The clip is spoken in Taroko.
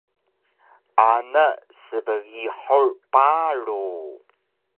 Ana sbgihur paru